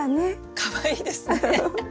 かわいいですね。